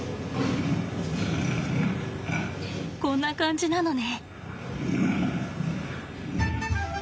こんな感じなのね。